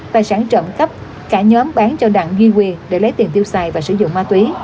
tài sản trộm cắp cả nhóm bán cho đặng duy quyền để lấy tiền tiêu xài và sử dụng ma túy